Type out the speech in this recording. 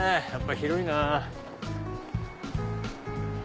やっぱ広いな。